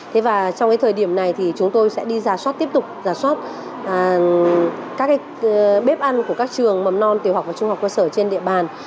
thế và trong cái thời điểm này thì chúng tôi sẽ đi giả soát tiếp tục giả soát các cái bếp ăn của các trường mầm non tiểu học và trung học cơ sở trên địa bàn